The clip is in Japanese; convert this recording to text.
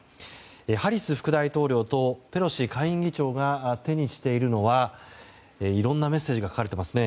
ハリス副大統領とペロシ下院議長が手にしているのはいろいろなメッセージが書かれていますね。